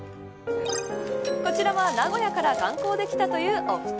こちらは名古屋から観光で来たというお二人。